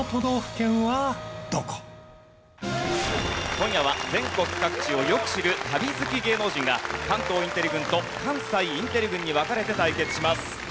今夜は全国各地をよく知る旅好き芸能人が関東インテリ軍と関西インテリ軍に分かれて対決します。